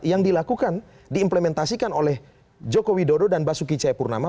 yang dilakukan diimplementasikan oleh jokowi dodo dan basuki chaepurnama